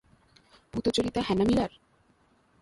পূতচরিতা Hannah Miller?